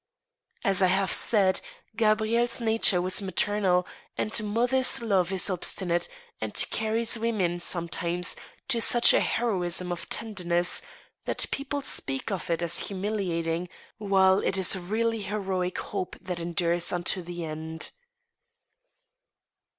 As I have said, Gabrielle's nature was maternal, and mothers' love is obstinate, and carries women, sometimes, to such a heroism of tenderness, that people speak of it as humiliating, while it is really heroic hope that endures unto the end.